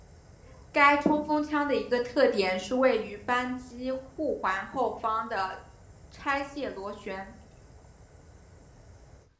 该冲锋枪的一个特点是位于扳机护环后方的拆卸螺栓。